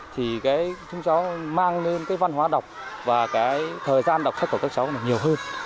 thì chúng cháu mang lên văn hóa đọc và thời gian đọc sách của các cháu nhiều hơn